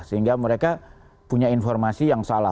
sehingga mereka punya informasi yang salah